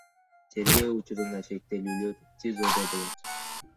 Тергөө учурунда шектүүлөр ТИЗОдо болот.